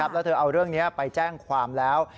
แล้วเธอเอาเรื่องนี้ไปแจ้งความแล้ว